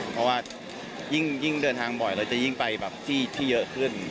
เพราะว่ายิ่งเดินทางบ่อยเราจะยิ่งไปแบบที่เยอะขึ้น